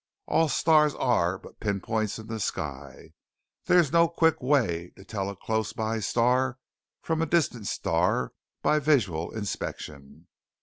All stars are but pinpoints in the sky, there is no quick way to tell a close by star from a distant star by visual inspection.